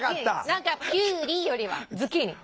何かキュウリよりはズッキーニ。